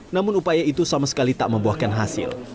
namun upaya itu sama sekali tak membuahkan hasil